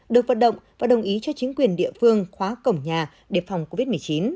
được vận động và đồng ý cho chính quyền địa phương khóa cổng nhà để phòng covid một mươi chín